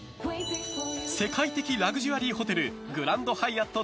世界的ラグジュアリーホテルグランドハイアット